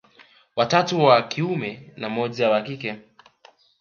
Watatu wa kiume na mmoja wa kike